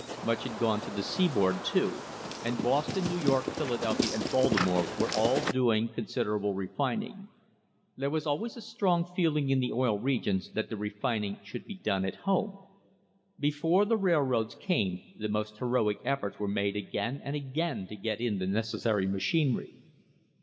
Much had gone to the seaboard, too, and Boston, New York, Philadelphia and Baltimore were.£V/ all doing considerable refining. There was always a strong feeling in the Oil Regions that the refining should be done at home. Before the railroads came the most heroic efforts were made again and again to get in the necessary machinery.